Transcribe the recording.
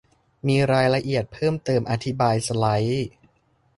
มีรายละเอียดเพิ่มเติมอธิบายสไลด์